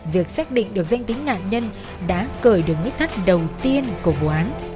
việc xác định được danh tính nạn nhân đã cởi được nút thắt đầu tiên của vụ án